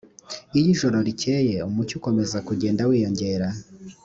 iyijoro rikeye umucyo ukomeza kugenda wiyongera .